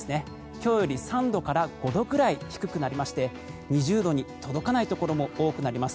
今日より３度から５度くらい低くなりまして２０度に届かないところも多くなります。